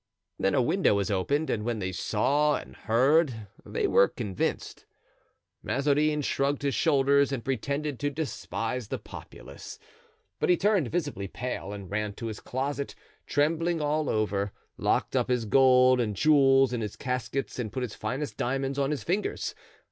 Then a window was opened and when they saw and heard they were convinced. Mazarin shrugged his shoulders and pretended to despise the populace; but he turned visibly pale and ran to his closet, trembling all over, locked up his gold and jewels in his caskets and put his finest diamonds on his fingers.